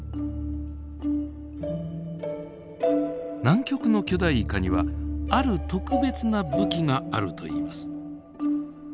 南極の巨大イカにはある特別な武器があるといいます。